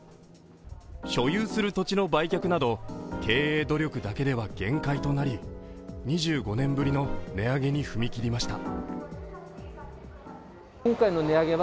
所有する土地の売却など経営努力だけでは限界となり２５年ぶりの値上げに踏み切りました。